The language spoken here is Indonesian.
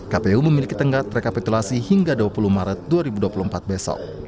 kpu memiliki tenggat rekapitulasi hingga dua puluh maret dua ribu dua puluh empat besok